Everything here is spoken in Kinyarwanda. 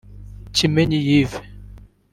Kimenyi Yves